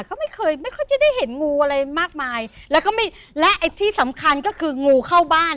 ก็ไม่ค่อยจะได้เห็นงูอะไรมากมายแล้วที่สำคัญก็คืองูเข้าโรงรถบ้าน